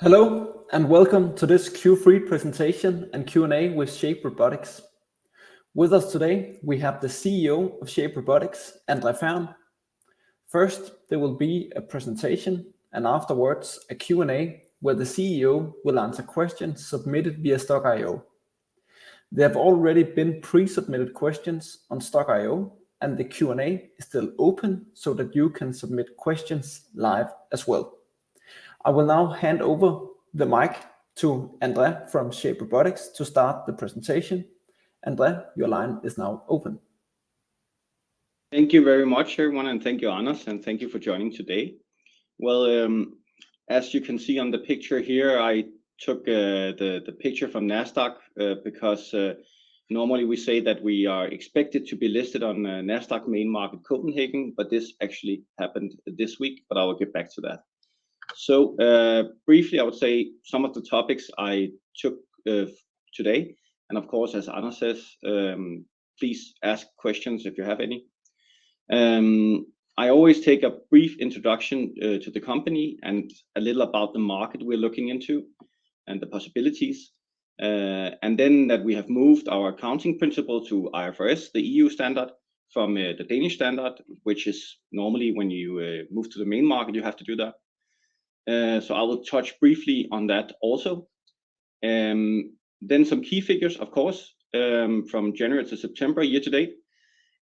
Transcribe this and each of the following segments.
Hello, and welcome to this Q3 presentation and Q&A with Shape Robotics. With us today, we have the CEO of Shape Robotics, André Fehrn. First, there will be a presentation, and afterwards, a Q&A, where the CEO will answer questions submitted via Stokk.io. There have already been pre-submitted questions on Stokk.io, and the Q&A is still open so that you can submit questions live as well. I will now hand over the mic to André from Shape Robotics to start the presentation. André, your line is now open. Thank you very much, everyone, and thank you, Anders, and thank you for joining today. Well, as you can see on the picture here, I took the picture from Nasdaq, because normally we say that we are expected to be listed on the Nasdaq Main Market, Copenhagen, but this actually happened this week, but I will get back to that. So, briefly, I would say some of the topics I took today, and of course, as Anders says, please ask questions if you have any. I always take a brief introduction to the company and a little about the market we're looking into and the possibilities. And then that we have moved our accounting principle to IFRS, the EU standard, from the Danish standard, which is normally when you move to the main market, you have to do that. So I will touch briefly on that also. Then some key figures, of course, from January to September, year to date,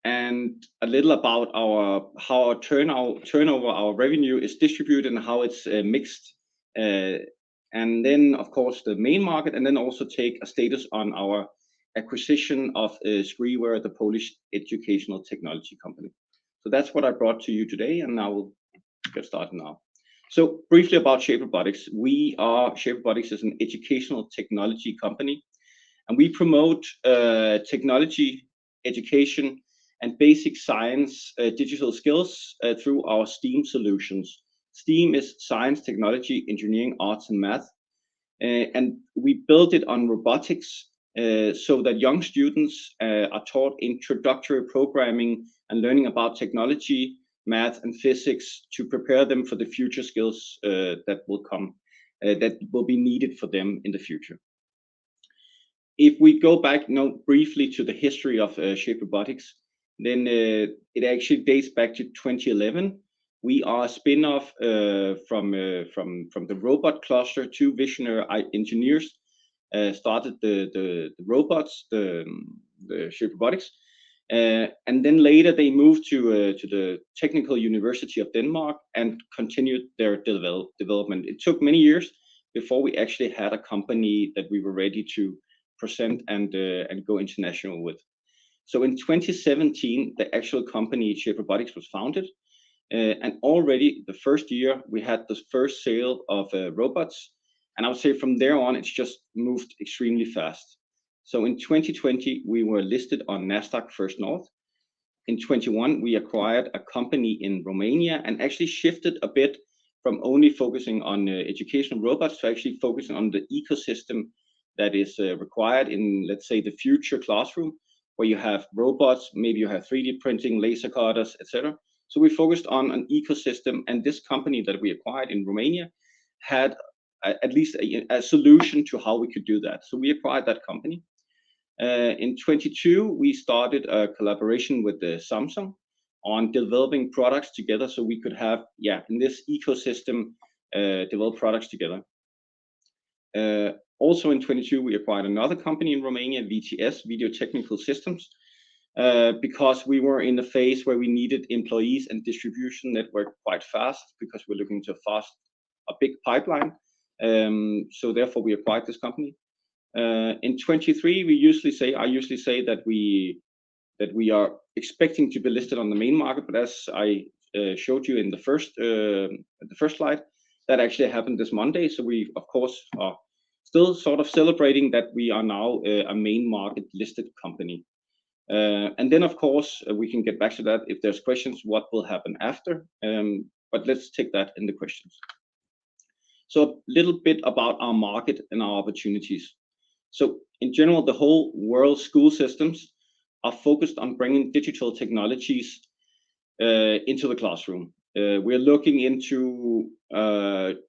and a little about our—how our turnover, our revenue is distributed and how it's mixed. And then, of course, the main market, and then also take a status on our acquisition of Skriware, the Polish educational technology company. So that's what I brought to you today, and I will get started now. So briefly about Shape Robotics. We are, Shape Robotics is an educational technology company, and we promote technology, education, and basic science, digital skills, through our STEAM solutions. STEAM is science, technology, engineering, arts, and math. And we built it on robotics, so that young students are taught introductory programming and learning about technology, math, and physics to prepare them for the future skills that will come, that will be needed for them in the future. If we go back now briefly to the history of Shape Robotics, then it actually dates back to 2011. We are a spin-off from the robot cluster. Two visionary engineers started the Shape Robotics. And then later, they moved to the Technical University of Denmark and continued their development. It took many years before we actually had a company that we were ready to present and go international with. So in 2017, the actual company, Shape Robotics, was founded. And already the first year, we had the first sale of robots, and I would say from there on, it's just moved extremely fast. So in 2020, we were listed on Nasdaq First North. In 2021, we acquired a company in Romania and actually shifted a bit from only focusing on educational robots to actually focusing on the ecosystem that is required in, let's say, the future classroom, where you have robots, maybe you have 3D printing, laser cutters, etc. So we focused on an ecosystem, and this company that we acquired in Romania had at least a solution to how we could do that. So we acquired that company. In 2022, we started a collaboration with Samsung on developing products together so we could have, yeah, in this ecosystem, develop products together. Also in 2022, we acquired another company in Romania, VTS, Video Technic Systems, because we were in a phase where we needed employees and distribution network quite fast because we're looking to fast a big pipeline. So therefore, we acquired this company. In 2023, we usually say, I usually say that we, that we are expecting to be listed on the main market, but as I showed you in the first, the first slide, that actually happened this Monday. So we, of course, are still sort of celebrating that we are now a main market-listed company. And then, of course, we can get back to that if there's questions, what will happen after, but let's take that in the questions. So a little bit about our market and our opportunities. So in general, the whole world school systems are focused on bringing digital technologies into the classroom. We're looking into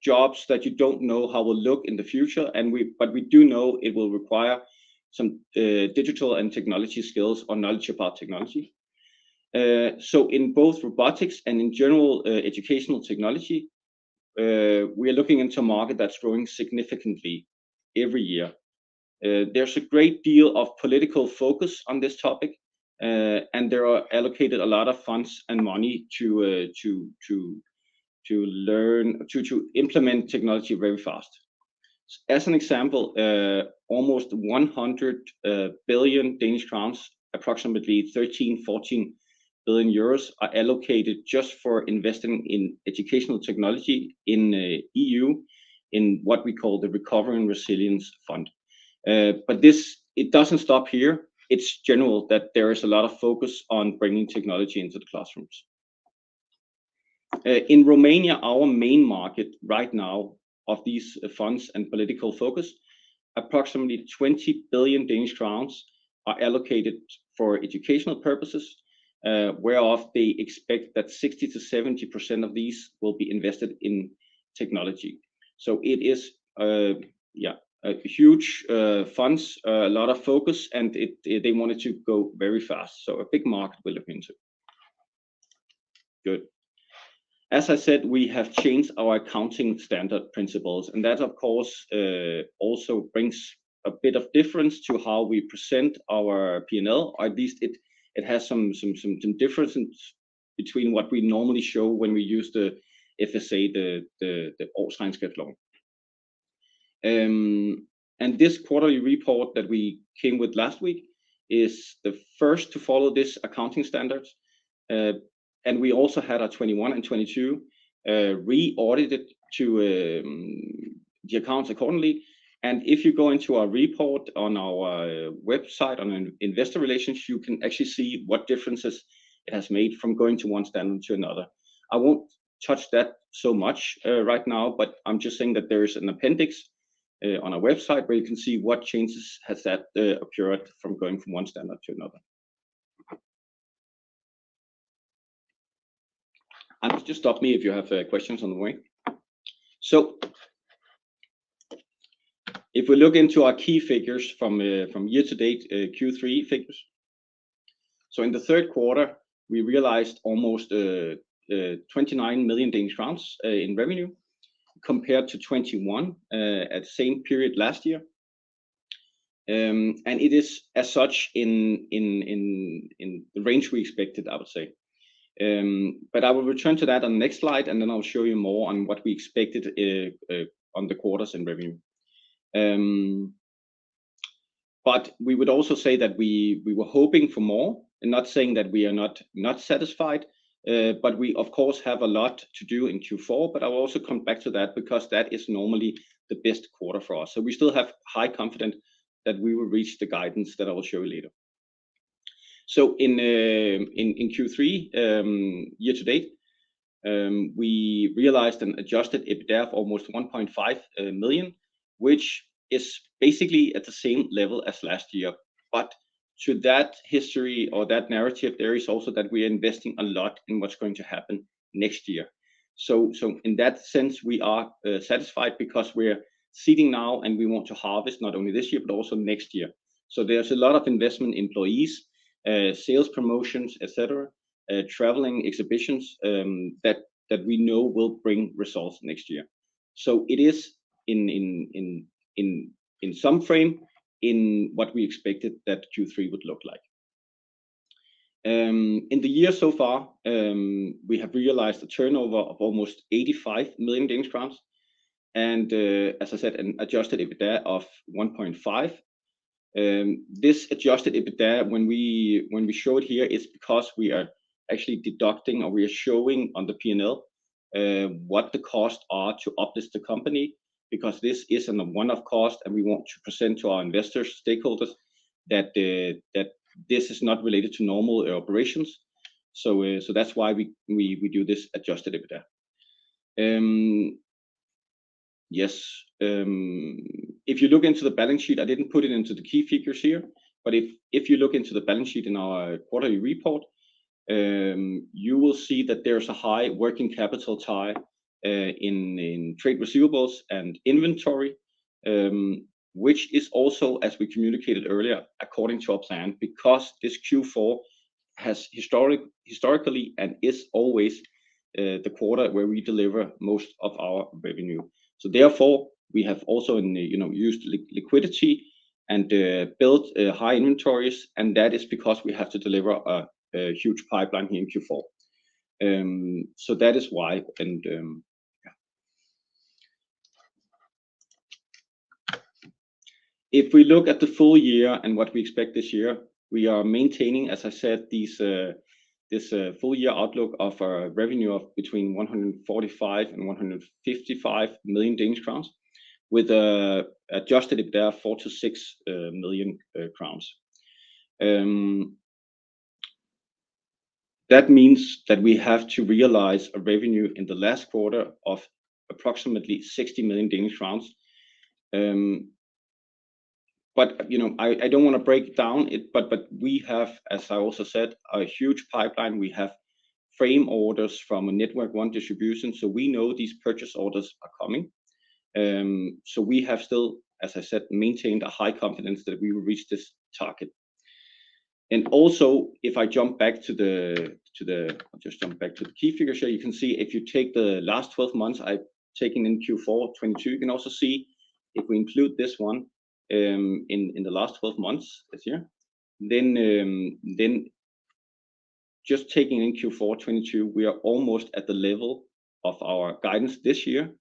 jobs that you don't know how will look in the future, but we do know it will require some digital and technology skills or knowledge about technology. So in both robotics and in general, educational technology, we are looking into a market that's growing significantly every year. There's a great deal of political focus on this topic, and there are allocated a lot of funds and money to implement technology very fast. As an example, almost 100 billion Danish crowns, approximately 13 to 14 billion euros, are allocated just for investing in educational technology in the EU, in what we call the Recovery and Resilience Fund. But this, it doesn't stop here. It's general that there is a lot of focus on bringing technology into the classrooms. In Romania, our main market right now of these funds and political focus, approximately 20 billion Danish crowns are allocated for educational purposes, whereof they expect that 60% to 70% of these will be invested in technology. So it is, yeah, a huge funds, a lot of focus, and it, they wanted to go very fast. So a big market we're looking into. Good. As I said, we have changed our accounting standard principles, and that of course also brings a bit of difference to how we present our P&L. At least it has some differences between what we normally show when we use the, if I say, the old Danish standards. And this quarterly report that we came with last week is the first to follow this accounting standards. And we also had our 2021 and 2022 re-audited to the accounts accordingly. And if you go into our report on our website in investor relations, you can actually see what differences it has made from going to one standard to another. I won't touch that so much, right now, but I'm just saying that there is an appendix on our website where you can see what changes has that occurred from going from one standard to another. Just stop me if you have questions on the way. If we look into our key figures from year to date, Q3 figures. In the third quarter, we realized almost 29 million Danish crowns in revenue, compared to 21 million at the same period last year. It is as such in the range we expected, I would say. But I will return to that on the next slide, and then I'll show you more on what we expected on the quarters in revenue. But we would also say that we were hoping for more, and not saying that we are not satisfied, but we, of course, have a lot to do in Q4. But I will also come back to that because that is normally the best quarter for us. So we still have high confidence that we will reach the guidance that I will show you later. So in Q3 year to date, we realized an Adjusted EBITDA of almost 1.5 million, which is basically at the same level as last year. But to that history or that narrative, there is also that we are investing a lot in what's going to happen next year. So, in that sense, we are satisfied because we're seeding now, and we want to harvest not only this year, but also next year. So there's a lot of investment employees, sales promotions, etc., traveling, exhibitions, that we know will bring results next year. So it is in some frame in what we expected that Q3 would look like. In the year so far, we have realized a turnover of almost 85 million Danish crowns, and, as I said, an adjusted EBITDA of 1.5 million. This adjusted EBITDA, when we show it here, is because we are actually deducting or we are showing on the P&L what the costs are to acquire this company, because this is a one-off cost, and we want to present to our investors, stakeholders, that this is not related to normal operations. So, that's why we do this adjusted EBITDA. Yes, if you look into the balance sheet, I didn't put it into the key figures here, but if you look into the balance sheet in our quarterly report, you will see that there's a high working capital tie in trade receivables and inventory, which is also, as we communicated earlier, according to our plan, because this Q4 has historically and is always the quarter where we deliver most of our revenue. So therefore, we have also in the, you know, used liquidity and built high inventories, and that is because we have to deliver a huge pipeline here in Q4. So that is why, and yeah. If we look at the full year and what we expect this year, we are maintaining, as I said, these, this, full year outlook of our revenue of between 145 million and 155 million Danish crowns with, Adjusted EBITDA, 4 to 6 million crowns. That means that we have to realize a revenue in the last quarter of approximately 60 million. But, you know, I, I don't want to break down it, but, but we have, as I also said, a huge pipeline. We have frame orders from a Network One Distribution, so we know these purchase orders are coming. So we have still, as I said, maintained a high confidence that we will reach this target. And also, if I jump back to the key figure, so you can see if you take the last 12 months, I've taken in Q4 of 2022, you can also see if we include this one, in the last 12 months this year, then just taking in Q4 2022, we are almost at the level of our guidance this year.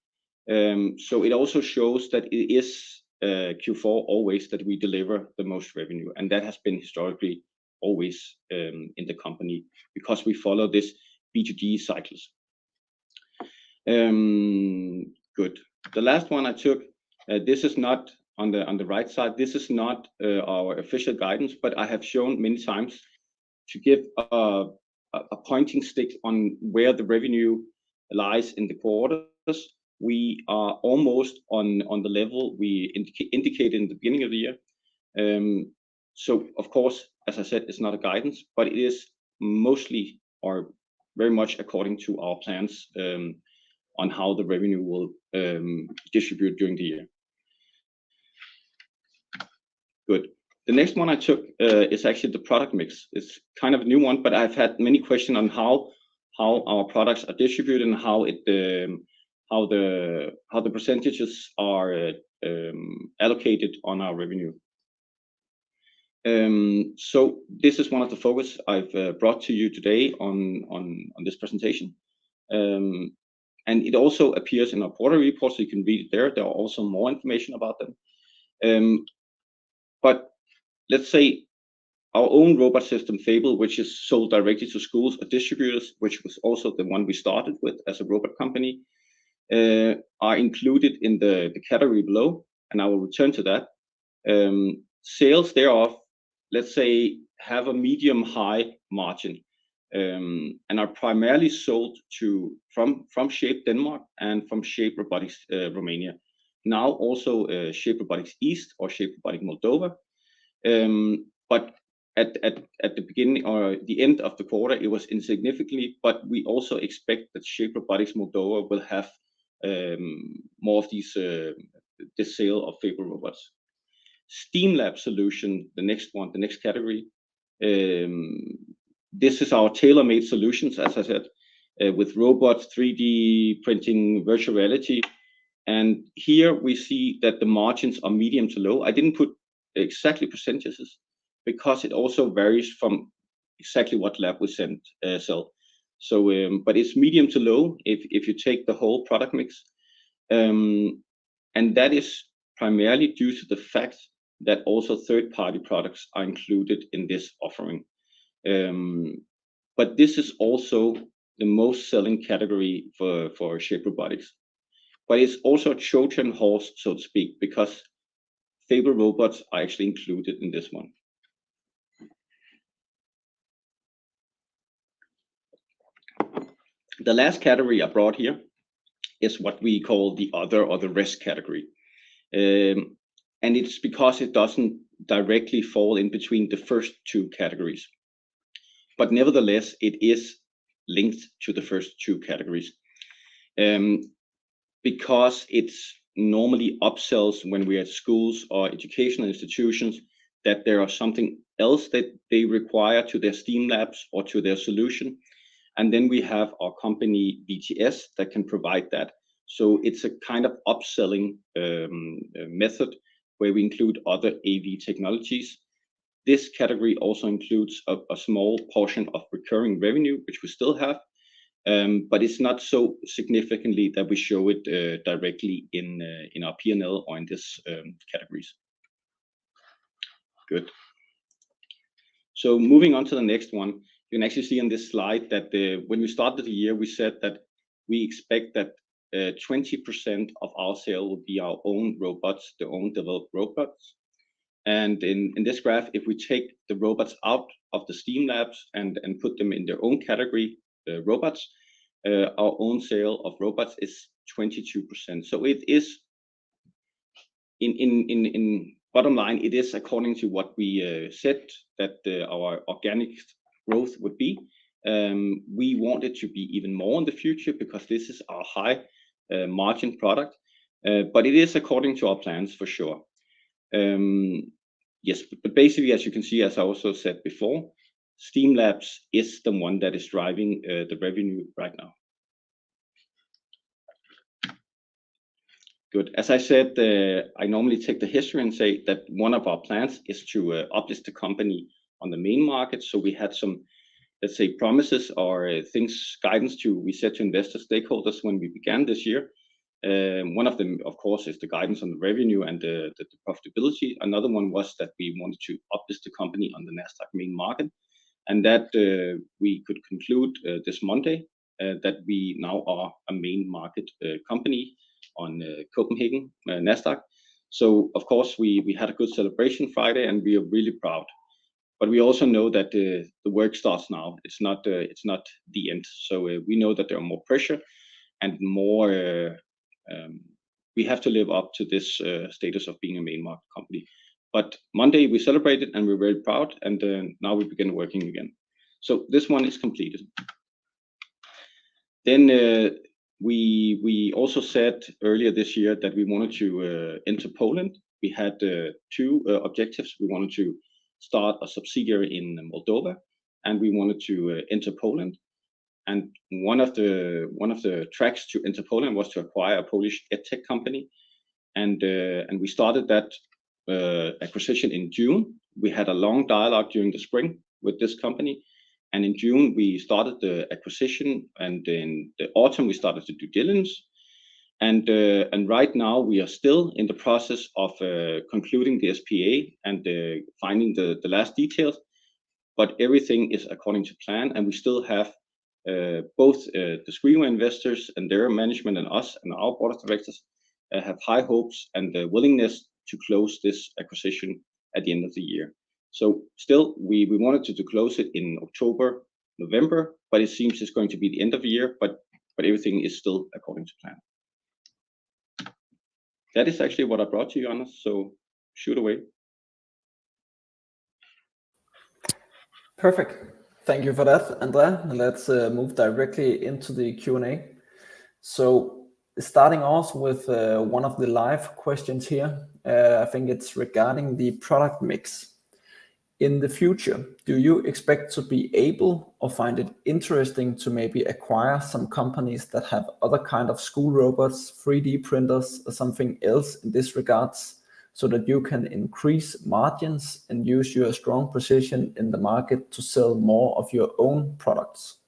So it also shows that it is Q4 always, that we deliver the most revenue, and that has been historically, always, in the company because we follow this B2G cycles. Good. The last one I took, this is not on the right side. This is not our official guidance, but I have shown many times-... To give a pointing stick on where the revenue lies in the quarters, we are almost on the level we indicated in the beginning of the year. So of course, as I said, it's not a guidance, but it is mostly or very much according to our plans on how the revenue will distribute during the year. Good. The next one I took is actually the product mix. It's kind of a new one, but I've had many questions on how our products are distributed and how the percentages are allocated on our revenue. So this is one of the focus I've brought to you today on this presentation. And it also appears in our quarter report, so you can read it there. There are also more information about them. But let's say our own robot system, Fable, which is sold directly to schools or distributors, which was also the one we started with as a robot company, are included in the category below, and I will return to that. Sales thereof, let's say, have a medium-high margin, and are primarily sold from Shape Denmark and from Shape Robotics Romania. Now, also, Shape Robotics East or Shape Robotics Moldova. But at the beginning or the end of the quarter, it was insignificantly, but we also expect that Shape Robotics Moldova will have more of these, the sale of Fable robots. STEAM Lab solution, the next one, the next category, this is our tailor-made solutions, as I said, with robots, 3D printing, virtual reality. Here we see that the margins are medium to low. I didn't put exactly percentages because it also varies from exactly what lab we send, sell. So, but it's medium to low if you take the whole product mix. And that is primarily due to the fact that also third-party products are included in this offering. But this is also the most selling category for Shape Robotics, but it's also a Trojan horse, so to speak, because Fable robots are actually included in this one. The last category I brought here is what we call the other or the rest category, and it's because it doesn't directly fall in between the first two categories. But nevertheless, it is linked to the first two categories. Because it's normally upsells when we're at schools or educational institutions, that there are something else that they require to their STEAM Labs or to their solution, and then we have our company, VTS, that can provide that. So it's a kind of upselling method where we include other AV technologies. This category also includes a small portion of recurring revenue, which we still have, but it's not so significantly that we show it directly in our P&L or in this categories. Good. So moving on to the next one, you can actually see on this slide that the—when we started the year, we said that we expect that 20% of our sale will be our own robots, the own developed robots. In this graph, if we take the robots out of the STEAM Labs and put them in their own category, robots, our own sale of robots is 22%. So it is in bottom line, it is according to what we said that our organic growth would be. We want it to be even more in the future because this is our high margin product, but it is according to our plans for sure. Yes, but basically, as you can see, as I also said before, STEAM Labs is the one that is driving the revenue right now. Good. As I said, I normally take the history and say that one of our plans is to list the company on the main market. So we had some, let's say, promises or things, guidance we said to investor stakeholders when we began this year. One of them, of course, is the guidance on the revenue and the profitability. Another one was that we wanted to list the company on the Nasdaq Main Market, and that we could conclude this Monday that we now are a Main Market company on Copenhagen Nasdaq. So of course, we had a good celebration Friday, and we are really proud. But we also know that the work starts now. It's not the end. So we know that there are more pressure and more we have to live up to this status of being a Main Market company. But Monday, we celebrated, and we're very proud, and now we begin working again. So this one is completed. Then, we also said earlier this year that we wanted to enter Poland. We had two objectives. We wanted to start a subsidiary in Moldova, and we wanted to enter Poland. And one of the tracks to enter Poland was to acquire a Polish EdTech company, and we started that acquisition in June. We had a long dialogue during the spring with this company, and in June, we started the acquisition, and in the autumn, we started the due diligence. And right now we are still in the process of concluding the SPA and finding the last details, but everything is according to plan, and we still have-... Both, the Skriware investors and their management and us and our board of directors have high hopes and the willingness to close this acquisition at the end of the year. So still, we wanted to close it in October, November, but it seems it's going to be the end of the year. But everything is still according to plan. That is actually what I brought to you, Anders, so shoot away. Perfect. Thank you for that, André. Let's move directly into the Q&A. So starting off with one of the live questions here, I think it's regarding the product mix. In the future, do you expect to be able or find it interesting to maybe acquire some companies that have other kind of school robots, 3D printers, or something else in this regards, so that you can increase margins and use your strong position in the market to sell more of your own products?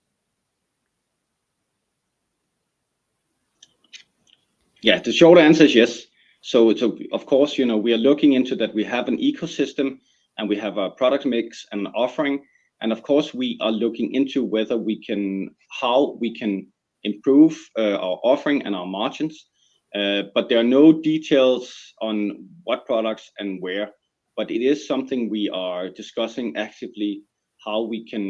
Yeah, the short answer is yes. So of course, you know, we are looking into that. We have an ecosystem, and we have our product mix and offering, and of course, we are looking into whether we can—how we can improve our offering and our margins. But there are no details on what products and where, but it is something we are discussing actively, how we can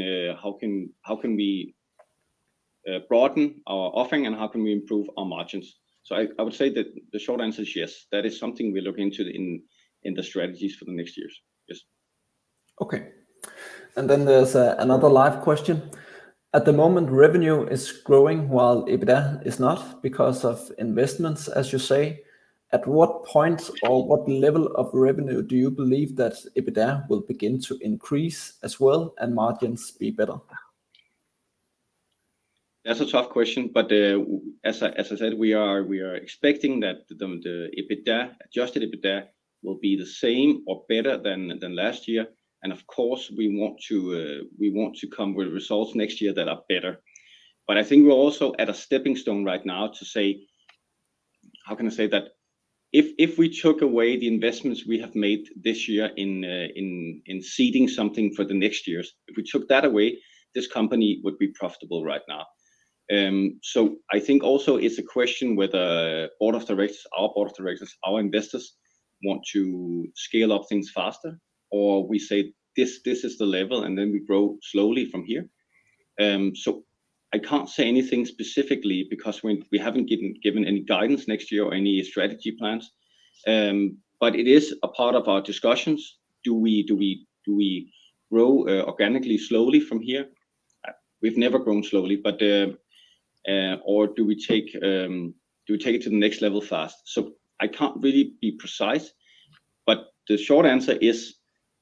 broaden our offering and how can we improve our margins? So I would say that the short answer is yes. That is something we look into in the strategies for the next years. Yes. Okay. And then there's another live question. At the moment, revenue is growing while EBITDA is not, because of investments, as you say. At what point or what level of revenue do you believe that EBITDA will begin to increase as well and margins be better? That's a tough question, but, as I, as I said, we are, we are expecting that the, the EBITDA, adjusted EBITDA will be the same or better than, than last year, and of course, we want to, we want to come with results next year that are better. But I think we're also at a stepping stone right now to say, how can I say that? If, if we took away the investments we have made this year in, in, in seeding something for the next years, if we took that away, this company would be profitable right now. So I think also it's a question whether board of directors, our board of directors, our investors, want to scale up things faster, or we say this, this is the level, and then we grow slowly from here. So I can't say anything specifically because we haven't given any guidance next year or any strategy plans. But it is a part of our discussions. Do we grow organically slowly from here? We've never grown slowly, but or do we take it to the next level fast? So I can't really be precise, but the short answer is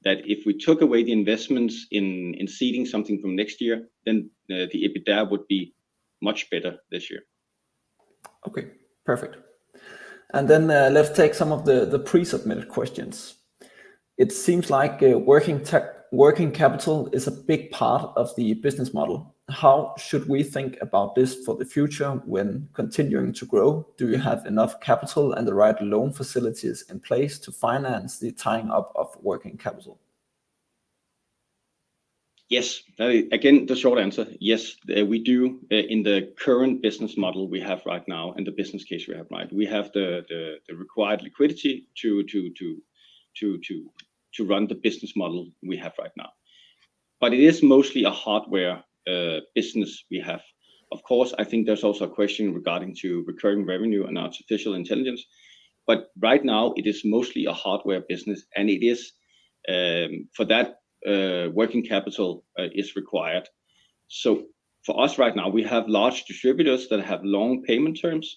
that if we took away the investments in seeding something from next year, then the EBITDA would be much better this year. Okay, perfect. And then, let's take some of the pre-submitted questions. It seems like working capital is a big part of the business model. How should we think about this for the future when continuing to grow? Do you have enough capital and the right loan facilities in place to finance the tying up of working capital? Yes. Again, the short answer, yes, we do. In the current business model we have right now and the business case we have right, we have the required liquidity to run the business model we have right now. But it is mostly a hardware business we have. Of course, I think there's also a question regarding to recurring revenue and artificial intelligence, but right now it is mostly a hardware business, and it is for that working capital is required. So for us, right now, we have large distributors that have long payment terms,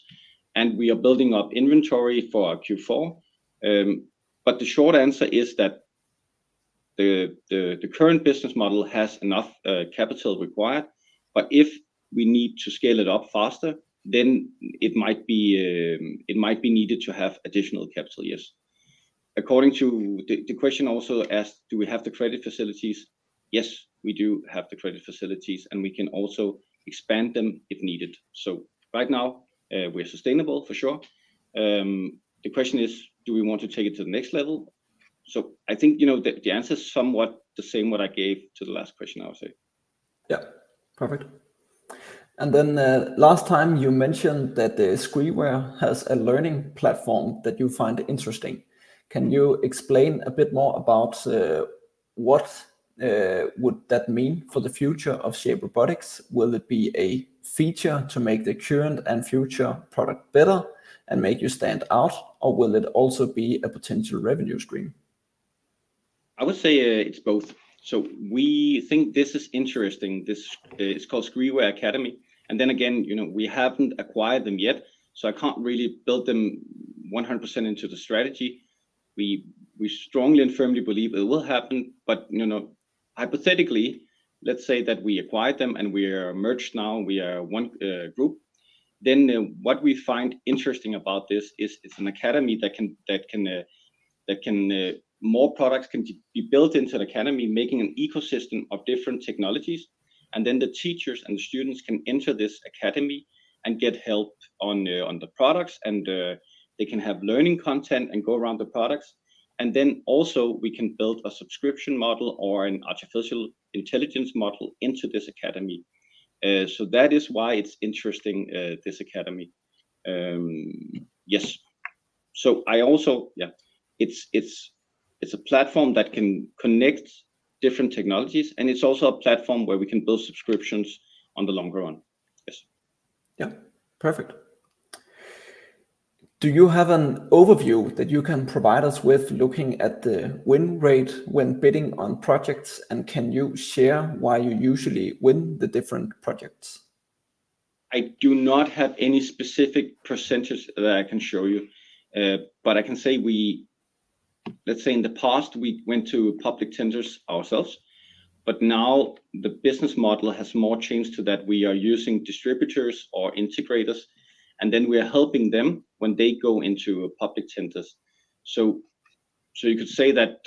and we are building up inventory for our Q4. But the short answer is that the current business model has enough capital required, but if we need to scale it up faster, then it might be needed to have additional capital, yes. According to... The question also asked, do we have the credit facilities? Yes, we do have the credit facilities, and we can also expand them if needed. So right now, we're sustainable for sure. The question is, do we want to take it to the next level? So I think, you know, the answer is somewhat the same what I gave to the last question, I would say. Yeah, perfect. And then, last time you mentioned that Skriware has a learning platform that you find interesting. Can you explain a bit more about what would that mean for the future of Shape Robotics? Will it be a feature to make the current and future product better and make you stand out, or will it also be a potential revenue stream? I would say, it's both. So we think this is interesting. This, it's called Skriware Academy, and then again, you know, we haven't acquired them yet, so I can't really build them 100% into the strategy. We strongly and firmly believe it will happen, but, you know, hypothetically, let's say that we acquired them, and we are merged now, we are one group. Then what we find interesting about this is it's an academy more products can be built into the academy, making an ecosystem of different technologies, and then the teachers and students can enter this academy and get help on the products, and they can have learning content and go around the products. And then also we can build a subscription model or an artificial intelligence model into this academy.... So that is why it's interesting, this academy. Yes, yeah, it's a platform that can connect different technologies, and it's also a platform where we can build subscriptions on the longer run. Yes. Yeah, perfect. Do you have an overview that you can provide us with looking at the win rate when bidding on projects? And can you share why you usually win the different projects? I do not have any specific percentage that I can show you. But I can say we, let's say in the past, we went to public tenders ourselves, but now the business model has more changed to that we are using distributors or integrators, and then we are helping them when they go into public tenders. So you could say that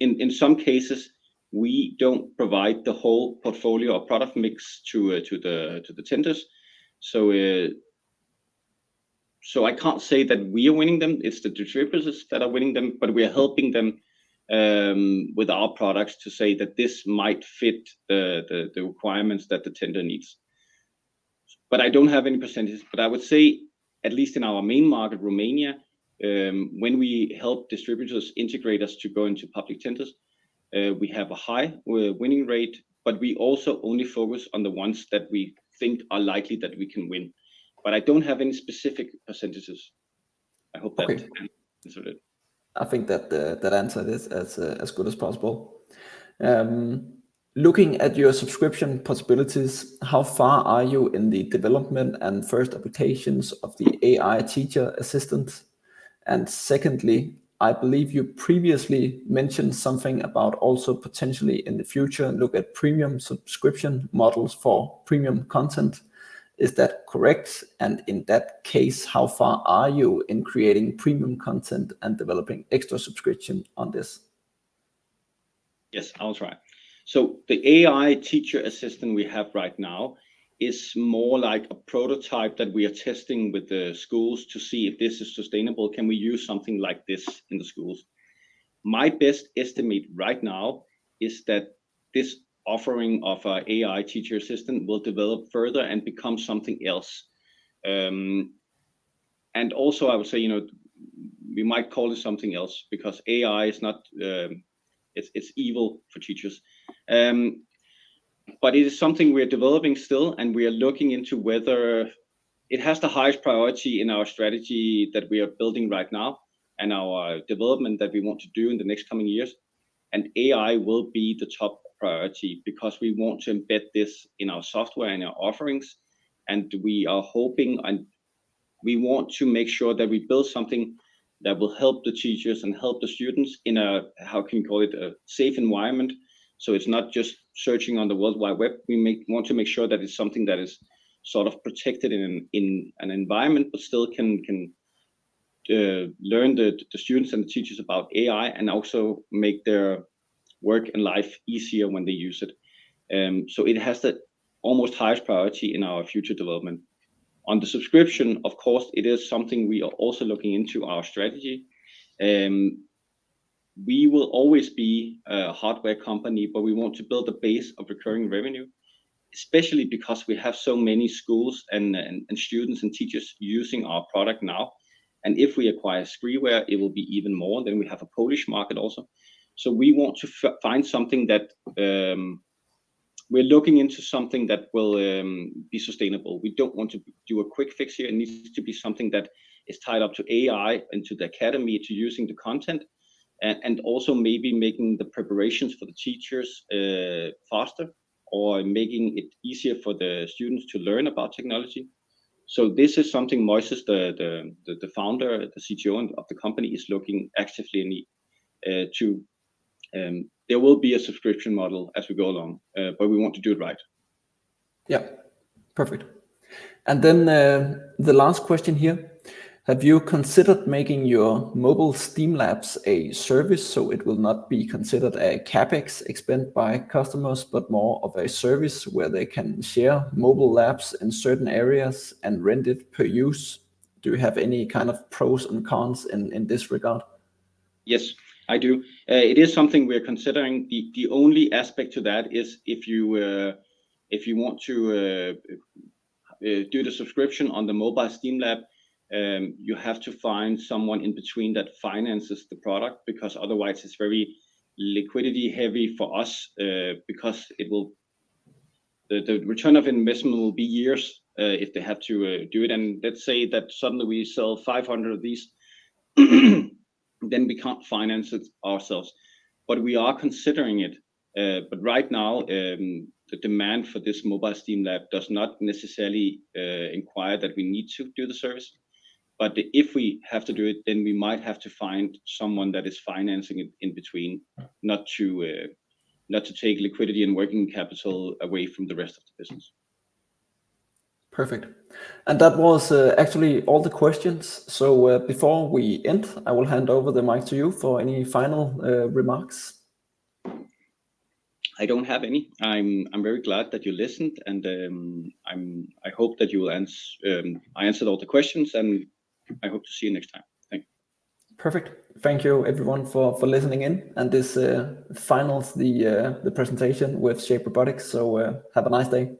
in some cases, we don't provide the whole portfolio or product mix to the tenders. So I can't say that we are winning them, it's the distributors that are winning them, but we are helping them with our products to say that this might fit the requirements that the tender needs. But I don't have any percentages, but I would say at least in our main market, Romania, when we help distributors, integrators to go into public tenders, we have a high winning rate, but we also only focus on the ones that we think are likely that we can win. But I don't have any specific percentages. I hope that- Okay. Answered it. I think that, that answered it as, as good as possible. Looking at your subscription possibilities, how far are you in the development and first applications of the AI teacher assistant? And secondly, I believe you previously mentioned something about also potentially in the future, look at premium subscription models for premium content. Is that correct? And in that case, how far are you in creating premium content and developing extra subscription on this? Yes, I'll try. So the AI teacher assistant we have right now is more like a prototype that we are testing with the schools to see if this is sustainable. Can we use something like this in the schools? My best estimate right now is that this offering of AI teacher assistant will develop further and become something else. And also, I would say, you know, we might call it something else because AI is not, it's, it's evil for teachers. But it is something we are developing still, and we are looking into whether it has the highest priority in our strategy that we are building right now and our development that we want to do in the next coming years. And AI will be the top priority because we want to embed this in our software and our offerings, and we are hoping, and we want to make sure that we build something that will help the teachers and help the students in a, how can you call it, a safe environment. So it's not just searching on the World Wide Web. We want to make sure that it's something that is sort of protected in an environment, but still can learn the students and the teachers about AI and also make their work and life easier when they use it. So it has the almost highest priority in our future development. On the subscription, of course, it is something we are also looking into our strategy. We will always be a hardware company, but we want to build a base of recurring revenue, especially because we have so many schools and students and teachers using our product now. And if we acquire Skriware, it will be even more, then we have a Polish market also. So we want to find something that... We're looking into something that will be sustainable. We don't want to do a quick fix here. It needs to be something that is tied up to AI and to the academy, to using the content, and also maybe making the preparations for the teachers faster or making it easier for the students to learn about technology. So this is something Moises, the founder, the CEO of the company, is looking actively to. There will be a subscription model as we go along, but we want to do it right. Yeah, perfect. And then, the last question here: Have you considered making your mobile STEAM labs a service, so it will not be considered a CapEx spent by customers, but more of a service where they can share mobile labs in certain areas and rent it per use? Do you have any kind of pros and cons in this regard? Yes, I do. It is something we are considering. The only aspect to that is if you want to do the subscription on the mobile STEAM lab, you have to find someone in between that finances the product, because otherwise it's very liquidity heavy for us. Because it will, the return of investment will be years, if they have to do it. And let's say that suddenly we sell 500 of these, then we can't finance it ourselves. But we are considering it, but right now, the demand for this mobile STEAM lab does not necessarily inquire that we need to do the service. But if we have to do it, then we might have to find someone that is financing it in between, not to, not to take liquidity and working capital away from the rest of the business. Perfect. That was actually all the questions. Before we end, I will hand over the mic to you for any final remarks. I don't have any. I'm very glad that you listened, and I hope that you will. I answered all the questions, and I hope to see you next time. Thank you. Perfect. Thank you, everyone, for listening in. This finalizes the presentation with Shape Robotics, so have a nice day.